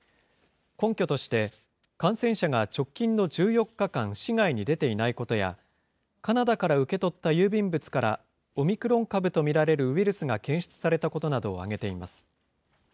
根拠として、感染者が直近の１４日間、市外に出ていないことや、カナダから受け取った郵便物からオミクロン株と見られるウイルスが検出されたことなどを挙げています。